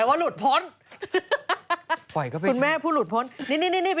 ไอวันพล้อยกับดิว